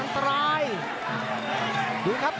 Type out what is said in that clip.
คุณผู้ชมดูครับ